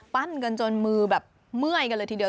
กันจนมือแบบเมื่อยกันเลยทีเดียว